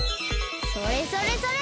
それそれそれ！